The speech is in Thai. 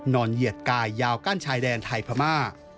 เหยียดกายยาวกั้นชายแดนไทยพม่า